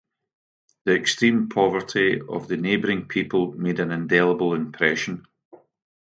The extreme poverty of the neighboring people made an indelible impression.